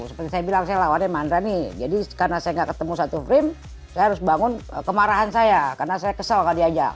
seperti saya bilang saya lawannya mandra nih jadi karena saya nggak ketemu satu frame saya harus bangun kemarahan saya karena saya kesel kalau diajak